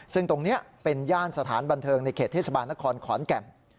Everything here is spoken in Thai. ซึ่งตรงนี้เป็นย่านสถานบันเทิงในเขตเทศบาลนครขอนแก่น